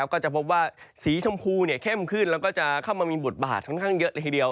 ก็จะพบว่าสีชมพูเข้มขึ้นแล้วก็จะเข้ามามีบทบาทค่อนข้างเยอะเลยทีเดียว